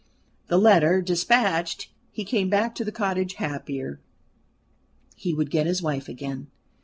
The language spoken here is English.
The letter despatched, he came back to the cottage happier he would get his wife again.